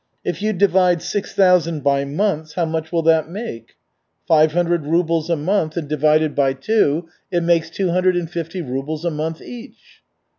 If you divide six thousand by months, how much will that make?" "Five hundred rubles a month, and divided by two it makes two hundred and fifty rubles a month each."